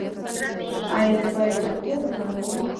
ایا زه باید شامپو وکاروم؟